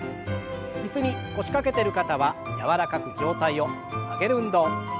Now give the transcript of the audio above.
椅子に腰掛けてる方は柔らかく上体を曲げる運動。